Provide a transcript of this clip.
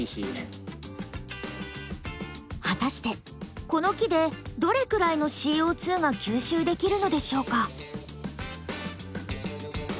果たしてこの木でどれくらいのＣＯが吸収できるのでしょうか？